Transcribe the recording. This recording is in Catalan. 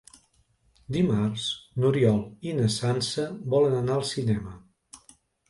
Dimarts n'Oriol i na Sança volen anar al cinema.